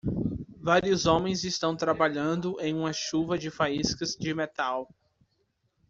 Vários homens estão trabalhando em uma chuva de faíscas de metal.